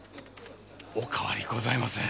お変わりございません。